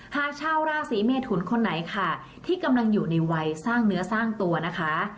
หากชาวราศีเมทุนคนไหนค่ะที่กำลังอยู่ในวัยสร้างเนื้อสร้างตัวนะคะ